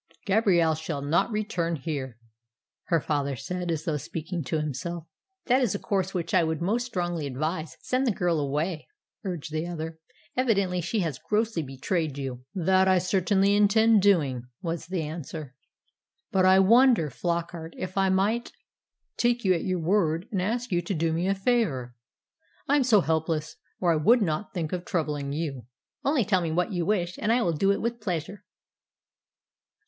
"Gabrielle shall not return here," her father said, as though speaking to himself. "That is a course which I would most strongly advise. Send the girl away," urged the other. "Evidently she has grossly betrayed you." "That I certainly intend doing," was the answer. "But I wonder, Flockart, if I might take you at your word, and ask you to do me a favour? I am so helpless, or I would not think of troubling you." "Only tell me what you wish, and I will do it with pleasure."